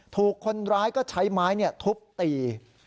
ถูกคนร้ายก็ใช้ไม้ทุบตี